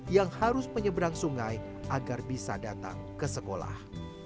yang harus menyeberang sungai agar bisa datang ke sekolah